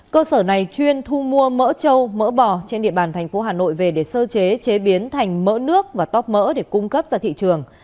cơ sở này chuyên thu mua mỡ trâu mỡ bò trên địa bàn thành phố hà nội về để sơ chế chế biến thành mỡ nước và tóp mỡ để cung cấp ra thị trường